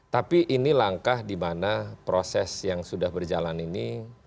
tapi ini langkah dimana proses yang sudah berjalan ini